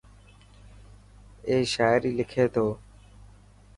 اي شاعري لکي ٿو.